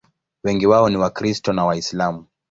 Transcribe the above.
Wengi wao ni Wakristo na Waislamu.